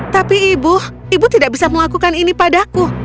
tapi ibu ibu tidak bisa melakukan ini padaku